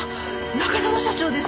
中園社長です！